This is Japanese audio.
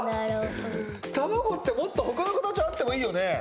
卵ってもっと他の形あってもいいよね。